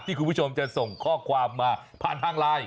คุณผู้ชมจะส่งข้อความมาผ่านทางไลน์